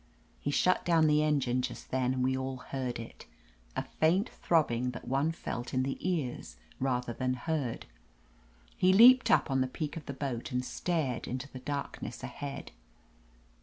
He shut down the engine just then, and we all heard it : a faint throbbing that one felt in the ears, rather than heard. He leaped up on the peak of the boat and stared into the dark ness ahead.